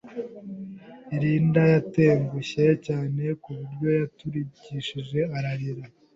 Linda yatengushye cyane ku buryo yaturikishije ararira.